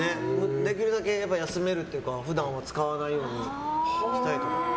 できるだけ休めるっていうか普段は使わないようにしたいと。